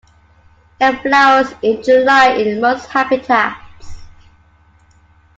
It flowers in July in most habitats.